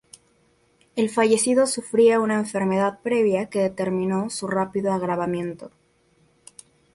El fallecido sufría una enfermedad previa que determinó su rápido agravamiento.